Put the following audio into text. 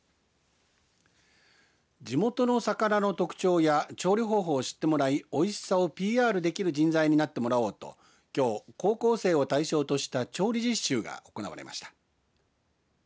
地元の魚の特徴や調理方法を知ってもらいおいしさをＰＲできる人材になってもらおうときょう高校生を対象とした調理実習が行われました。